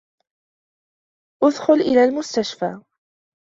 أُدخل إلى المستشفى.